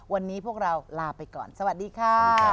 วันนี้พวกเราลาไปก่อนสวัสดีค่ะ